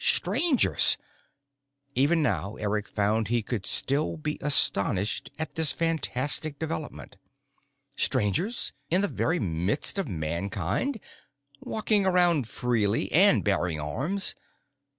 Strangers. Even now, Eric found he could still be astonished at this fantastic development. Strangers in the very midst of Mankind! Walking around freely and bearing arms!